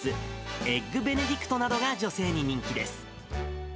エッグベネディクトなどが女性に人気です。